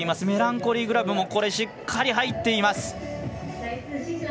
メランコリーグラブもしっかり入っています。